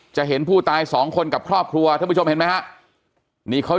เห็นผู้ตายสองคนกับครอบครัวท่านผู้ชมเห็นไหมฮะนี่เขา